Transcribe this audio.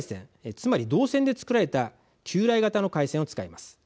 つまり、銅線で作られた旧来型の回線を使います。